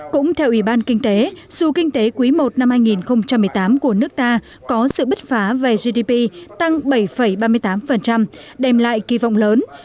cũng theo ủy ban kinh tế dù kinh tế quý i năm hai nghìn một mươi tám của nước ta có sự bứt phá về gdp tăng bảy ba mươi tám đem lại kỳ vọng lớn